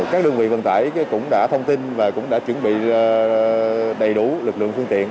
các đơn vị vận tải cũng đã thông tin và cũng đã chuẩn bị đầy đủ lực lượng phương tiện